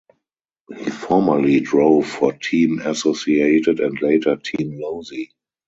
He formerly drove for Team Associated and later Team Losi.